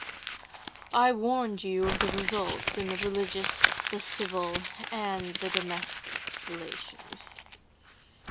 "'I warned you of the results in the religious, the civil, and the domestic relation.